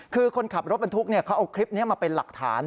คือคนขับรถบรรทุกเขาเอาคลิปนี้มาเป็นหลักฐาน